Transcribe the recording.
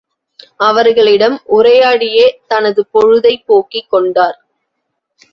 அவர்களிடம் உரையாடியே தனது பொழுதைப் போக்கிக் கொண்டார்.